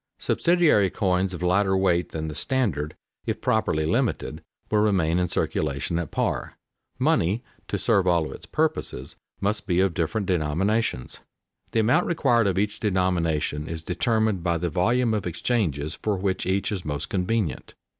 Subsidiary coins of lighter weight than the standard, if properly limited, will remain in circulation at par. Money to serve all of its purposes must be of different denominations. The amount required of each denomination is determined by the volume of exchanges for which each is most convenient.